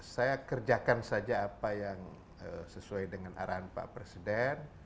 saya kerjakan saja apa yang sesuai dengan arahan pak presiden